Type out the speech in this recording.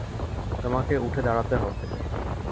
তোমাকে উঠে দাঁড়াতে হবে।